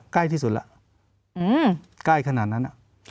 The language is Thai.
ใกล้ที่สุดแล้วใกล้ขนาดนั้น